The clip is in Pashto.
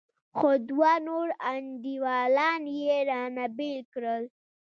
خو دوه نور انډيوالان يې رانه بېل کړل.